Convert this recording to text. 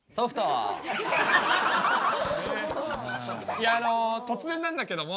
いや突然なんだけども。